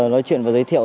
nói chuyện và giới thiệu